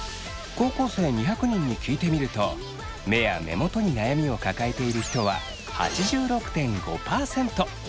高校生２００人に聞いてみると目や目元に悩みを抱えている人は８６．５％。